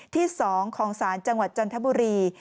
ที่๒ของศาลจังหวัดจันทบุรี